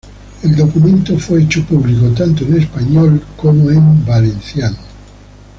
El documento fue hecho público tanto en español como en valenciano.